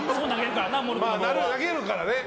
投げるからね。